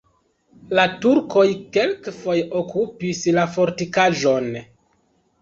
La turkoj kelkfoje okupis la fortikaĵon.